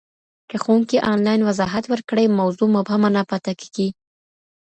که ښوونکی انلاین وضاحت ورکړي، موضوع مبهمه نه پاته کېږي.